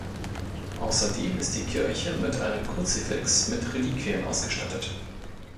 Außerdem ist die Kirche mit einem Kruzifix mit Reliquien ausgestattet.